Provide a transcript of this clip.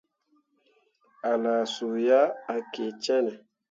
A laa su ah, a kii cenne.